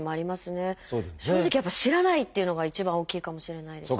正直やっぱ知らないっていうのが一番大きいかもしれないですね。